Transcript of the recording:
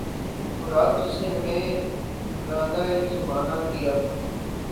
وہ راز جس نے ہمیں راندۂ زمانہ کیا